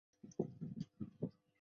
泰宁尚书墓的历史年代为明。